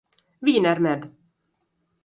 Wiener Med.